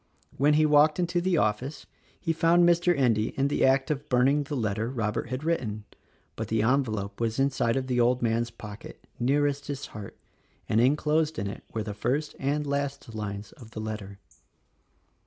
When he walked into the office he found Mr. Endy in the act of burning the letter Robert had written; — but the envelope was inside of the old man's pocket, nearest his heart, and enclosed in it were the first and last lines of the letter.